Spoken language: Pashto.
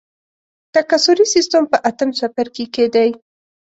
تکثري سیستم په اتم څپرکي کې دی.